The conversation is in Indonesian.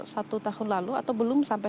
satu tahun lalu atau belum sampai